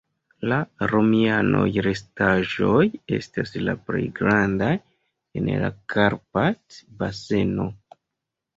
La romiaj restaĵoj estas la plej grandaj en la Karpat-baseno.